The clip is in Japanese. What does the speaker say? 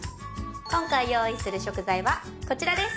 今回用意する食材はこちらです。